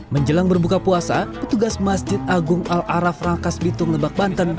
menjelang berbuka puasa petugas masjid agung al araf rangkas bitung lebak banten